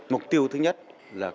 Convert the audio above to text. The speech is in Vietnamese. mục tiêu thứ nhất là